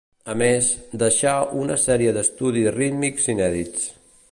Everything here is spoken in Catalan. A més, deixà, una sèrie d'estudis rítmics inèdits.